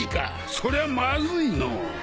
そりゃまずいのう。